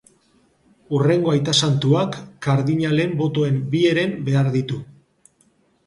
Hurrengo aita santuak kardinalen botoen bi heren behar ditu.